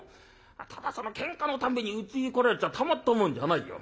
ただそのけんかのたんびにうちに来られちゃたまったもんじゃないよ。